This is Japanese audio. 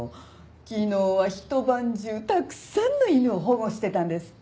昨日はひと晩中たくさんの犬を保護してたんですって。